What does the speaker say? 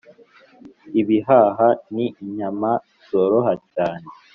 Ibihaha ni inyama zoroha cyane.